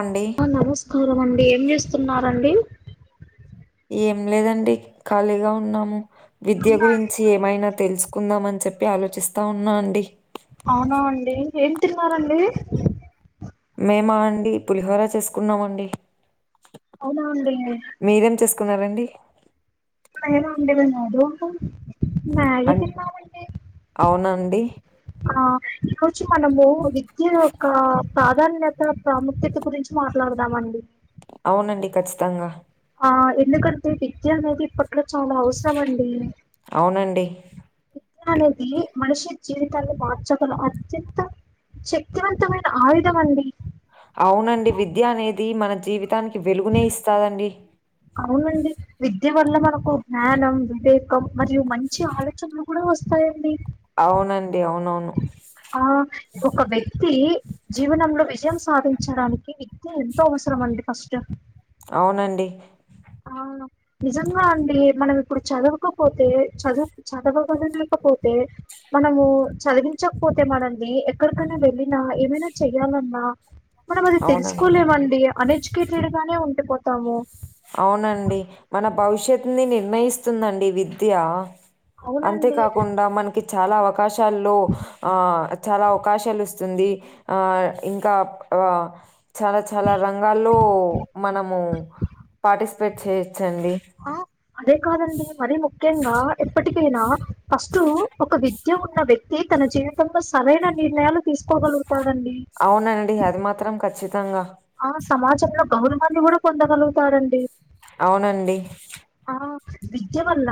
అండి ఆ నమస్కారం అండి ఏం చేస్తున్నారండి. ఏం లేదండి ఖాళీగా ఉన్నాము విద్య గురించీ ఏమైనా తెల్స్. కుందామని చెప్పి ఆలోచిస్తా ఉన్నా అండి. అవునా అండి ఏం తిన్నారండి. మేమా అండి పులిహోరా చేసుకున్నాం అండి. అవునా అండీ. అయినా అండి మేం [unintelligible] మ్యాగి అన్ తిన్నాం అండి. అవునా అండి? ఆ ఈ రోజు మనమూ విద్యా యొక్కా ప్రాధాన్యతా. ప్రాముఖ్యత గురించి మాట్లాడదామండి. అవునండి ఖచ్చితంగా ఆ ఎందుకంటే విద్యా అనేది ఇప్పట్లో చాలా అవసరం అండీ. అవునండి విద్యా వి అనేదీ మనిషి జీవితాన్ని మార్చగల అత్యంత. శక్తివంతమైన ఆయుధం అండి. అవునండి విద్య అనేది మన జీవితానికి వెలుగునే ఇస్తాదండి. అవునండి విద్య వల్ల మనకు జ్ఞానం, వివేకం మరియు మంచి ఆలోచనలు. కూడా వస్తాయండి. అవునండి అవునవును ఆ ఒక వ్యక్తీ జీవనంలో విజయం సాధించడానికి విద్ ద్యా ఎంతో అవసరం అండి ఫస్టు. అవునండి అవును నిజంగా అండీ మనం ఇప్పుడు చదవకపోతే చదువు చదవగలలేకపోతే. మనమూ చదివించకపోతే మనల్నీ ఎక్కడికన్నా వెళ్ళినా ఏమైనా చెయ్యాలన్నా. మనం అది అవునండి. తెలుసుకోలేమండీ అన్ఎడ్యుకేటెడ్ గానే ఉండిపోతాము. అవునండి మన భవిష్యత్తుని నిర్ణయిస్తుందండి విద్యా. అవునండి అంతేకాకుండా మనకి చాలా అవకాశాల్లో ఆ చాలా అవకాశాలు ఇస్తుంది ఆ ఇంకా ఆ. చాలా చాలా రంగాల్లో మనము. పార్టిసిపేట్ చేయొచ్చండి. ఆ అదే కాదండి మరి ముఖ్యంగా ఎప్పటికైనా ఫస్టూ ఒక విద్ ద్య ఉన్న వ్యక్తి తన జీవితంలో సరైన నిర్ణయాలు తీసుకోగలుగుతాడండి. అవునండి అది మాత్రం ఖచ్చితంగా ఆ సమాజంలో గౌరవాన్ని గూడా పొందగలుగుతారండి. అవునండి ఆ విద్య వల్ల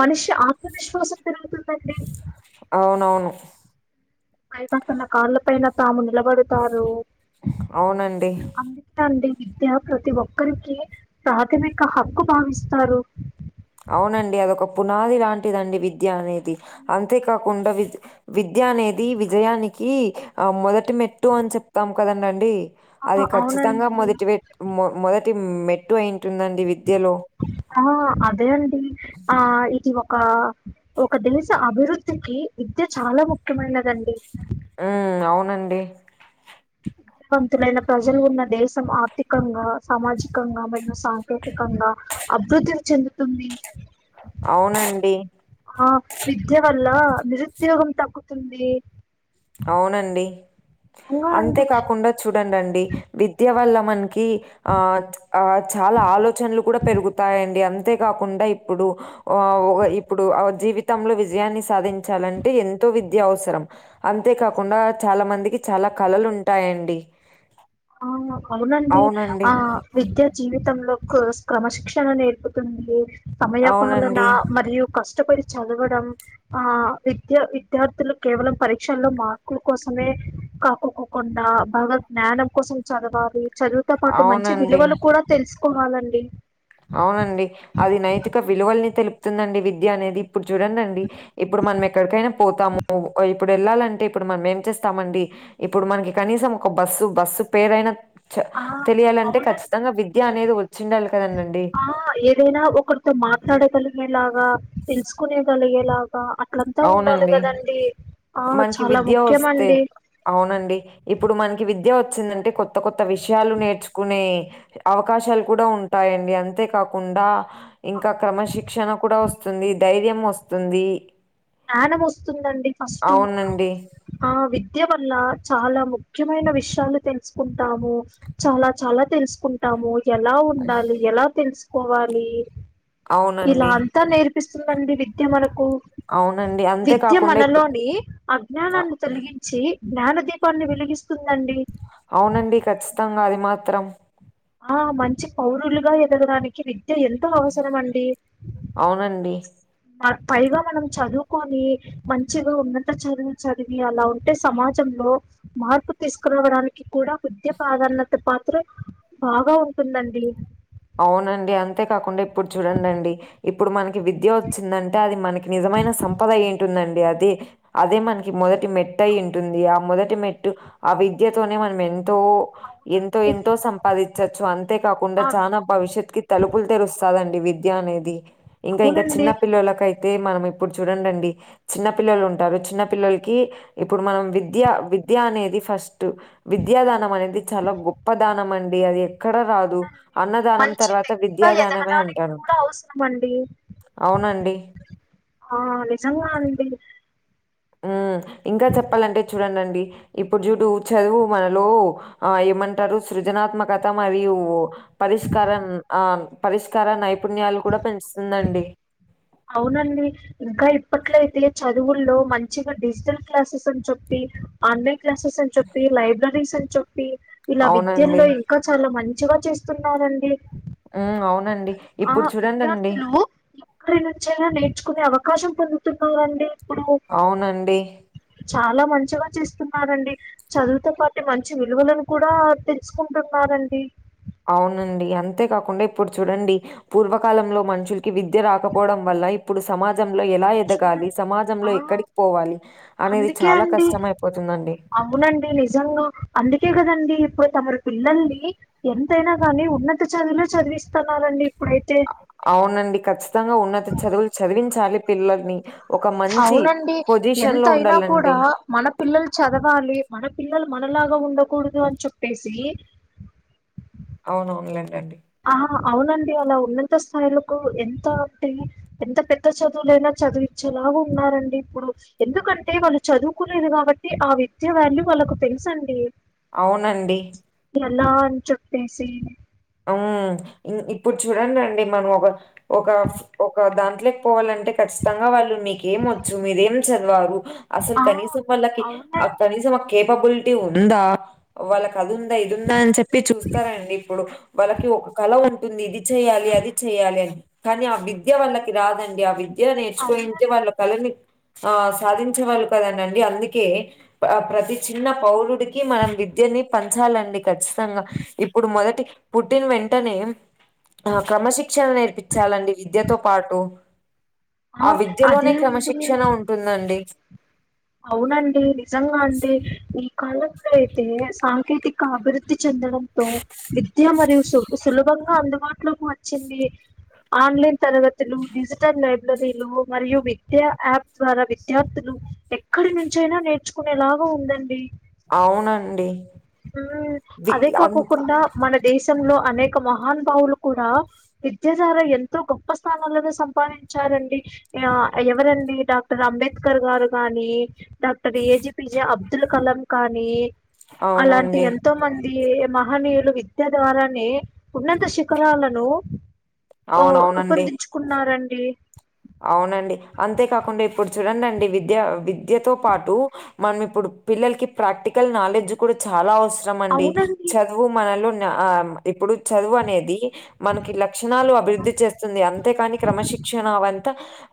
మనిషి ఆత్మవిశ్వాసం పెరుగుతుందండి అవునవును ఐతే తన కాళ్ల పైన తాము నిలబడతారు అవునండి అందుకే అండి విద్య ప్రతి ఒక్కరికి ప్రాథమిక హక్కు భావిస్తారు అవునండి అదొక పునాది లాంటిదండి విద్య అనేది అంతేకాకుండా విద్య విద్య అనేది విజయానికి ఆ మొదటి మెట్టు అని చెప్తాం కదండ అండి ఆ అది కఖచ్చితంగా అవునండి మొదటి మొ మొదటి మెట్టు అయింటుందండి విద్యలో ఆ అదే అండి ఆ ఇది ఒక ఒక దేశ అభివృద్ధికి విద్య చాలా ముఖ్యమైనదండి ఉం అవునండి పంతులైన ప్రజలు ఉన్న దేశం ఆర్థికంగా సామాజికంగా మరియు సాంకేతికంగా అభివృద్ధిని చెందుతుంది అవునండి ఆ విద్య వల్ల నిరుద్యోగం తగ్గుతుంది అవునండి నిజంగా అండి అంతే కాకుండా చూడండివిద్య వల్ల మనకి ఇ ఆ ఆ చాలా ఆలోచనలు కూడా పెరుగుతాయండి అంతేకాకుండా ఇప్పుడు ఒ హ ఇప్పుడు జీవితంలో విజయాన్ని సాధించాలంటే ఎంతో విద్య అవసరం అంతేకాకుండా చాలా మందికి చాలా కళలు ఉంటాయండి ఆ అవునండి ఆ విద్యా జీవితంలో క్రమశిక్షణ నేర్పుతుంది సమయ పాలన అవునండి. మరియు కష్టపడి చదవడం ఆ విద్య విద్యార్థులు కేవలం పరీక్షల్లో మార్కుల కోసమే కా కుండా భగవ జ్ఞానం కోసం చదవాలి చదువుతో పాటు మంచి అవునండి. విలువలు కూడా తెలుసుకోవాలండి అవునండి అది నైతిక విలువల్ని తెలుపుతుందండి విద్య అనేది ఇప్పుడు చూడండిండి ఇప్పుడు మనం ఎక్కడికైనా పోతాము ఓయి ఇప్పుడు వెళ్ళాలంటే ఇప్పుడు మనం ఏం చేస్తామండి ఇప్పుడు మనకి కనీసం ఒక బస్సు బస్సు పెరయినా చ ఆ తెలియాలంటే అవునండి ఖచ్చితంగా విద్య అనేది వచ్చిండాలి కదనండి ఆ ఏదైనా ఒకరితో మాట్లాడగలిగేలాగా తెలుసుకునే కలిగేలాగా అప్పుడంతా ఉండాలి అవునండి. కదండి ఆ మనకి చాలా విద్య ముఖ్యమ ఒస్తే అండి అవునండి ఇప్పుడు మనకి విద్య వచ్చిందంటే కొత్త కొత్త విషయాలు నేర్చుకునే అవకాశాలు కూడా ఉంటాయండి అంతేకాకుండా ఆ ఇంకా క్రమశిక్షణ కూడా వస్తుంది ధైర్యం వస్తుంది జ్ఞానం వస్తుందండి ఫస్ట్ అవునండి. ఆ విద్య వల్ల చాలా ముఖ్యమైన విషయాలు తెలుసుకుంటాము చాలా చాలా తెలుసుకుంటాము ఎలా ఉండాలి ఎలా తెలుసుకోవాలి ఇలా అవునండి. అంతా నేర్పిస్తుందండి విద్య మనకు అవునండి. అంతే విద్య కాకుండా ఇప్పుడు మనలోని అ అజ్ఞానాన్ని కొలిగిం చ్చి జ్ఞాన దీపాన్ని వెలిగిస్తుందండి అవునండి ఖచ్చితంగా అది మాత్రం ఆ మంచి పౌరులుగా ఎదగడానికి విద్య ఎం ఎన్తో అవసరం అండి అవునండి. పైగా మనం చదువుకొని మంచిగా ఉన్నత చదువు చదివి అలా ఉంటే సమాజంలో మార్పు తీసుకురావడానికి కూడా విద్య ప్రాధాన్యత పాత్ర బాగా ఉంటుందండి అవునండి అంతేకాకుండా ఇప్పుడు చూడండండి ఇప్పుడు మనకి విద్య వచ్చిందంటే అది మనకి నిజమైన సంపద ఏంటుందండి అది అదే మనకి మొదటి మెట్ అయి ఉంటుంది ఆ మొదటి మెట్టు ఆ విద్యతోనే మనం ఎంతో ఎంతో అవునండి ఎంతో సంపాదించచ్చు అంతే కాకుండా ఆ చానా భవిష్యత్ కి తలుపులు తెరుస్తాదండి విద్య అనేది ఇంకా ఇంకా అవునండి చిన్న పిల్లలకైతే అయితే మనం ఇప్పుడు చూడండండి చిన్న పిల్లలు ఉంటారు చిన్న పిల్లలకి ఇప్పుడు మనం విద్య విద్య అనేది ఫస్ట్ విద్యా దానం అనేది చాలా గొప్ప దానం అండి అది ఎక్కడ రాదు అవునండి అన్నది దానం మంచి తర్వాత విద్యా వ్యక్తిగా దానమే ఎదగడానికి అంటరంట కూడా అవసరం అండి అవునండి ఆ నిజంగా అండి ఉ ఇంకా చెప్పాలంటే చూడండండి ఇప్పుడు చుడు చదువు మనలో ఆ ఏమంటారు సృజనాత్మకత మరియు పరిష్కార ఆ పరిష్కార నైపుణ్యాలు కూడా పెంచుతుందండి అవునండి ఇంకా ఇప్పట్లో అయితే చదువుల్లో మంచిగా డిజిటల్ క్లాసెస్ అని చెప్పి ఆన్లైన్ క్లాసెస్ అని చెప్పి, లైబ్రరీస్ అని చెప్పి ఇలా అవునండి విద్యల్లో ఇంకా చాలా మంచిగా చేస్తున్నారండి ఉ అవునండి ఆ ఇప్పుడు చూడండి విద్యార్థులు ఇప్ అక్కడి నుంచినా నేర్చుకునే అవకాశం పొందుతున్నరండి ఇప్పుడు అవునండి చాలా మంచిగా చేస్తున్నారండి చదువుతో పాటు మంచి విలువలను కూడా తెలుసుకుంటున్నారండి అవునండి అంతేకాకుండా ఇప్పుడు చూడండి పూర్వకాలంలో మనుషులు కి విద్య రాకపోవడం వల్ల ఇప్పుడు సమాజంలో ఎలా ఇప్పుడు ఎదగాలి చూడండి సమాజంలో ఆ ఎక్కడికి పోవాలి అనేది అందుకే చాలా అండి కష్టమ అయిపోతుందండి అవునండి నిజంగా అందుకే కదండి ఇప్పుడు తమరు పిల్లల్ని ఎంతైనా కానీ ఉన్నత చదువుల చదివిస్తురండి ఇప్పుడైతే అవునండి ఖచ్చితంగా ఉన్నది చదువు చదివించాలి పిల్లల్ని ఒక మంచి అవునండి పొజిషన్ లో ఎంతయినా కూడా ఉండాలండి మన పిల్లలు చదవాలి మన పిల్లలు మనలాగా ఉండకూడదు అని చెప్పేసి అవునవునులేన్ లేండి ఆహా అవునండి అలా ఉన్నత స్థాయిలకు ఎంత అంటే ఎంత పెద్ద చదువులైనా చదువి ఇచ్చేలా ఉన్నారండి ఇప్పుడు ఎందుకంటే వాళ్ళు చదువుకోలేదు కాబట్టి ఆ విద్య వాల్యూ వాళ్ళకు తెలుసండి అవునండి ఎలా అని చెప్పేసి అ ఇప్పుడు చూడండి అండి మనం ఒక ఒక ఒక దాంట్లో పోవాలంటే ఖచ్చితంగా వాళ్ళు మీకెం వచ్చు మీరేం చదివారు అసలు ఆ! కనీసం వాళ్ళకి ఆ అవునండి. కనీసం ఆ కేపబిలిటీ ఉందా వాళ్ళకి అది ఉందా ఇదిందా అని చెప్పి చూస్తారంండి ఇప్పుడు వాళ్ళకి ఒక కళ ఉంట టుంది ఇది చెయ్యాలి అది చెయాలి అని కానీ ఆ విద్య వాళ్ళకి రాదండి ఆ విద్య నేర్చుకో అవునండి. వాళ్ళ కళని ఆ సాధించే వాళ్ళు కదండండి అందుకే ప్రతి చిన్న పౌరుడికి మనం విద్యని పంచాలండి ఖచ్చితంగా ఇప్పుడు మొదటి పుట్టిన్ వెంటనే ఆ క్రమశిక్షణ నేర్పించాలండి విద్యతో పాటు ఆ విద్యలోనే అదే క్రమశిక్షణ అండి. ఉంటుందండి అవునండి నిజంగా అండి ఈ కాలంలో అయితే సాంకేతిక అభివృద్ధి చెందడంతో విద్య మరియు సు సులభంగా అందుబాటులోకి వచ్చింది ఆన్లైన్ తరగతులు డిజిటల్ బ్ మరియు విద్యా యాప్ ద్వారా విద్యార్థులు ఏక్కడినుంచయినా నేర్చుకునేలాగా ఉందండి అవునండి హ్మ్ వి అదే అన్- కాకోకుండా మన దేశంలో అనేక మహానబావులు కూడా విద్యాధార ఎంతో గొప్ప స్థానాలనే సంపాదించారండి ఆ ఎవరండి డాక్టర్ అంబేద్కర్ గారు గాని డాక్టర్ ఏజిపిజే అబ్దుల్ కలాం కానీ అలాంటి అవునండి ఎంతో మంది మహనీయులు విద్య ద్వారానే ఉన్నత శిఖరాలను ఓ అవునవునండి రూపొందించుకున్నారండి అవునండి అంతేకాకుండా ఇప్పుడు చూడండి అండి విద్య విద్యతో పాటు మనం ఇప్పుడు పిల్లలకి ప్రాక్టికల్ నాలెడ్జ్ కూడా చాలా అవసర్ అవసరమండి అవునండి చదువు మనలో ఆ ఇప్పుడు చదువు అనేది మనకి లక్షణాలు అభివృద్ధి చేస్తుంది అంతేకాని క్రమశిక్షణ అవ త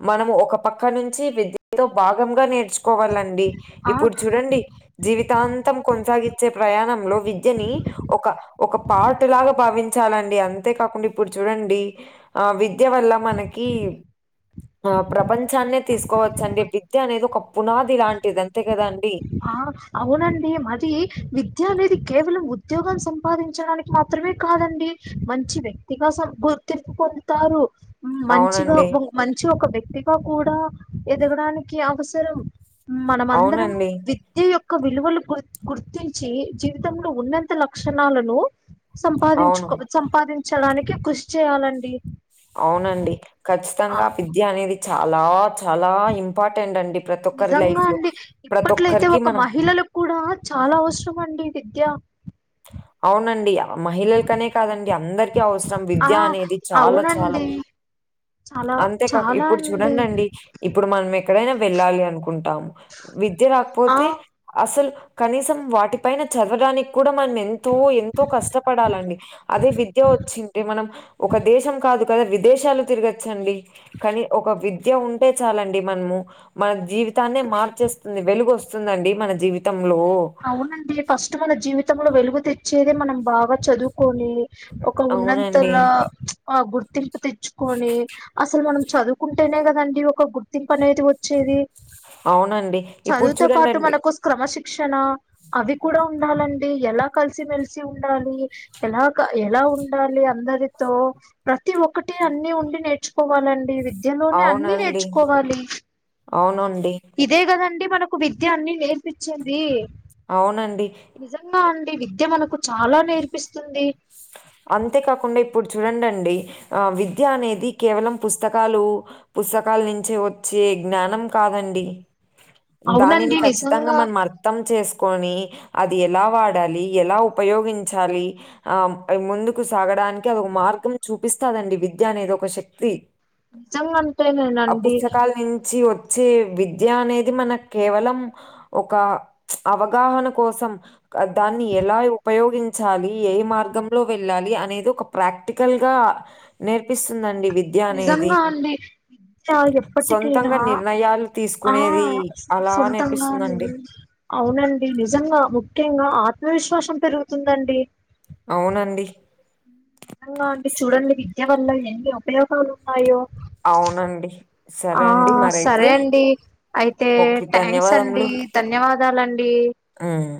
మనం ఒక పక్క నుంచి విద్యతో భాగంగా నేర్చుకు కోవాలండి ఆ ఇప్పుడు చూడండి జీవితాంతం కొనసాగించే ప్రయాణంలో విద్యని ఒక ఒక పాటలాగా భావించాలండి అంతేకాకుండా ఇప్పుడు చూడండి ఆ విద్య వల్ల మనకి ఆ ప్రపంచాన్నే తీసుకోవచ్చండి విద్య అనేది ఒక పునాది లాంటిది అంతే కదా అండి ఆ అవునండి అది విద్య అనేది కేవలం ఉద్యోగం సంపాదించడానికి మాత్రమే కాదండి మంచి వ్యక్తిగా గుర్తింపు పొందుతారు మ్మ్ మంచిగా అవునండి. మంచి ఒక వ్యక్తిగా కూడా ఎదగడానికి అవసరం హ్మ్ మనంమందరం అవునండి. విద్య యొక్క విలువలు గు గుర్తించి జీవితంలో ఉన్నంత లక్షణాలను అవును. సంపాదించుకో సంపాదించడానికి కృషి చేయాలండి అవునండి ఆ ఖచ్చితంగా విద్య అనేది చాలా చాలా ఇంపార్టెంట్ అండి ప్రతి ఒక్కరి నిజంగా లైఫ్‌లో. అండి ప్రతి ఇప్పట్లయితే ఒక్కరికి ఒక మనం మహిళలకు కూడా చాలా అవసరం అండి విద్య అవునండి మహిళలకనే కాదండి అందరికి విద్య అవసరం ఆ విద్య అనేది చాలా చాలా అవునండి చాలా అంతేకా చాలా ఇప్పుడు అండి చూడండండి ఇప్పుడు మనం ఎక్కడైనా వెళ్ళాలి అనుకుంటాము విద్య ఆ రాకపోతే అసలు కనీసం వాటిపైన చదవడానికి కూడా మన ఎంతో ఎంతో కష్టపడాలండి అదే విద్య వచ్చింటే మనం ఒక దేశం కాదు కదా విదేశాలు తిరగచ్చండి కానీ ఒక విద్య ఉంటే చాలండి మనము మన జీవితాన్నే మార్చేస్తుంది వెలుగు వస్తుందండి మన జీవితంలో అవునండి ఫస్ట్ మన జీవితంలో వెలుగు తెచ్చేదే మనం బాగా చదువుకొని ఒక ఉన్నంతర అవునండి. ప్చ్ ఆ గుర్తింపు తెచ్చుకొని అసలు మనం చదువు కుంటేనే కదండి ఒక గుర్తింపు అనేది వచ్చేది అవునండి ఇప్పుడు చదువుతో పాటు చూడండండి మనకు క్రమశిక్షణ అవి కూడా ఉండాలండి ఎలా కలిసిమెలిసి ఉండాలి ఎలాగా ఎలా ఉండాలి అందరితో ప్రతి ఒక్కటి అన్ని ఉండి నేర్చుకోవాలండి విద్యలోనే అన్ని అవునండి. నేర్చుకోవాలి అవునండి ఇదే కదండి మనకు విద్య అన్నీ నేర్పిచేది అవునండి నిజంగా అండి విద్య మనకు చాలా నేర్పిస్తుంది అంతేకాకుండా ఇప్పుడు చూడండండి విద్య అనేది కేవలం పుస్తకాలు పుస్తకాల నుంచే వచ్చే జ్ఞానం కాదండి దానిని అవునండి ఖచ్చితంగా నిజంగా మనం అర్థం చేసుకొని అది ఎలా వాడాలి ఎలా ఉపయోగించాలి ఆ ముందుకు సాగడానికి అదొక మార్గం చూపిస్తాదండి విద్య అనేది ఒక శక్తి ఆ నిజంగాంటేనేనండి పుస్తకాలు నుంచి వచ్చే విద్య అనేది మనకు కేవలం ఒక అవగాహన కోసం దాన్ని ఎలా ఉపయోగించాలి ఏ మార్గంలో వెళ్ళాలి అనేది ఒక ప్రాక్టికల్ గా నేర్పిస్తుందండి వి నిజంగా అండి ఎప్పటికైనా సొంతంగా నిర్ణయాలు ఆ తీసుకునేది అలా సొంతంగానే నేర్పిస్తుందండి అవునండి నిజంగా ముఖ్యంగా ఆత్మవిశ్వాసం పెరుగుతుందండి అవునండి నిజంగా అండి చూడండి విద్య వల్ల ఎన్ని ఉపయోగాలు ఉన్నాయో అవునండి ఆ సరే అండి మరైతే సరే అండి అయితే ఓకే థ్యాంక్స్ అండి ధన్యవాదాలండి హ్మ్